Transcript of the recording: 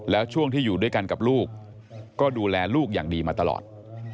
แล้วช่วงที่อยู่ด้วยกันกับลูกก็ดูแลลูกอย่างดีมาตลอด